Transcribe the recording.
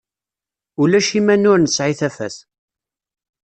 Ulac iman ur nesɛi tafat.